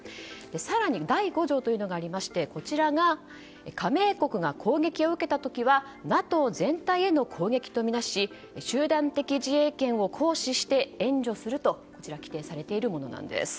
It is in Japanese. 更に第５条というのがありまして加盟国が攻撃を受けた時はＮＡＴＯ全体への攻撃とみなし集団的自衛権を行使して援助すると規定されているものなんです。